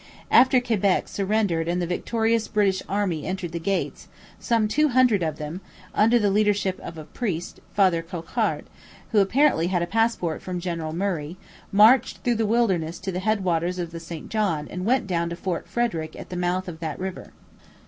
After Quebec surrendered and the victorious British army entered the gates, some two hundred of them, under the leadership of a priest, Father Coquart, who apparently had a passport from General Murray, marched through the wilderness to the headwaters of the St John and went down to Fort Frederick at the mouth of that river.